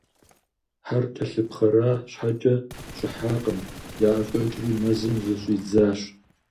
Хьэр кӏэлъыпхъэра щхьэкӏэ, щӏыхьакъым - яӏэщӏэкӏри, мэзым зыщӏидзащ.